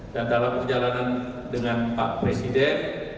dan dalam perjalanan dengan pak presiden